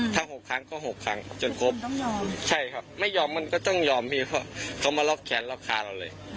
ถ้า๖ครั้งก็๖ครั้งจนครบต้องยอมใช่ครับไม่ยอมมันก็ต้องยอมพี่เพราะเขามาล็อกแขนล็อกคาเราเลย